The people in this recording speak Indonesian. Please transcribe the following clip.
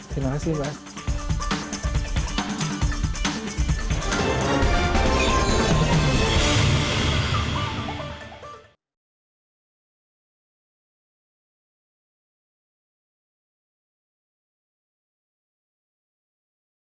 terima kasih pak